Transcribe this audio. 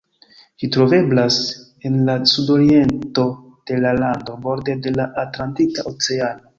Ĝi troveblas en la sudoriento de la lando, borde de la Atlantika Oceano.